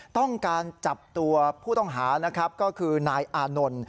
ต้องการจับตัวผู้ต้องหานะครับก็คือนายอานนท์